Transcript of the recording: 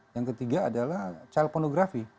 yang ketiga adalah child pornography